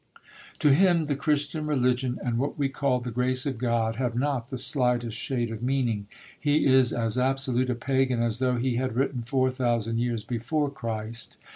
To him the Christian religion and what we call the grace of God have not the slightest shade of meaning; he is as absolute a Pagan as though he had written four thousand years before Christ.